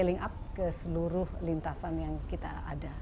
link up ke seluruh lintasan yang kita ada